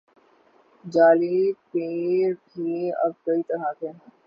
جعلی پیر بھی اب کئی طرح کے ہیں۔